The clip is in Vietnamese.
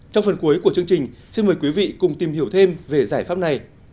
trong phần cuối của chương trình xin mời quý vị cùng tìm hiểu thêm về giải pháp này